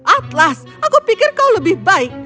atlas aku pikir kau lebih baik